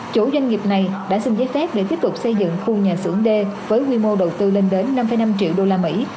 chủ doanh nghiệp này đã xin giấy phép để tiếp tục xây dựng khu nhà xưởng d với quy mô đầu tư lên đến năm năm triệu đô la mỹ